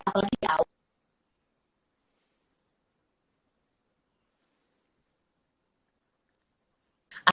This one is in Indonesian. apalagi di awal